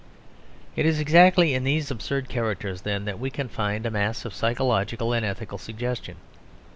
It is exactly in these absurd characters, then, that we can find a mass of psychological and ethical suggestion.